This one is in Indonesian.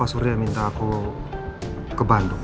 papa suri yang minta aku ke bandung